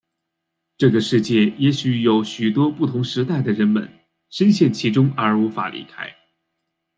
这个世界也有许多不同时代的人们身陷其中而无法离开。